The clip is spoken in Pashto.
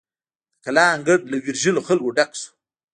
د کلا انګړ له ویرژلو خلکو ډک شو.